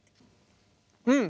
うん。